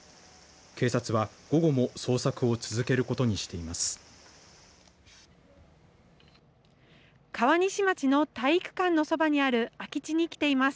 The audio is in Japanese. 警察は午後も捜索を続けることにしています。